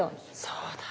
そうだ。